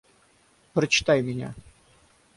Прочитай меня.